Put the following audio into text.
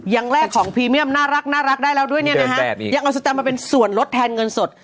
แรกของพรีเมียมน่ารักได้แล้วด้วยเนี่ยนะฮะยังเอาสแตมมาเป็นส่วนลดแทนเงินสด